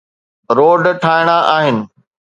Road ٺاهڻا آهن.